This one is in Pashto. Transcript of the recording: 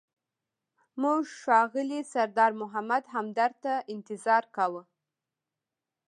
موږ ښاغلي سردار محمد همدرد ته انتظار کاوه.